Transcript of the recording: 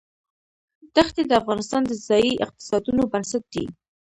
دښتې د افغانستان د ځایي اقتصادونو بنسټ دی.